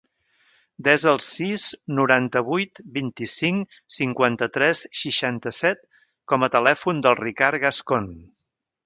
Desa el sis, noranta-vuit, vint-i-cinc, cinquanta-tres, seixanta-set com a telèfon del Ricard Gascon.